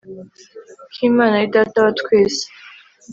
ko imana ari data wa twese